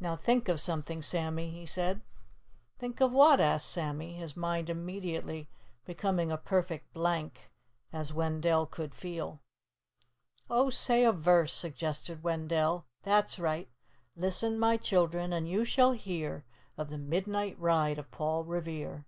"Now think of something, Sammy," he said. "Think of what?" asked Sammy, his mind immediately becoming a perfect blank, as Wendell could feel. "Oh, say a verse," suggested Wendell. "That's right: 'Listen, my children, and you shall hear Of the midnight ride of Paul Revere.